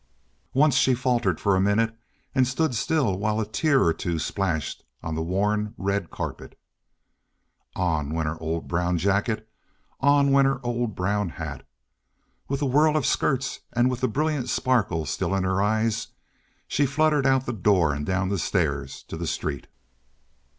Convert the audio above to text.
Once she faltered for a minute and stood still while a tear or two splashed on the worn red carpet. On went her old brown jacket; on went her old brown hat. With a whirl of skirts and with the brilliant sparkle still in her eyes, she fluttered out the door and down the stairs to the street.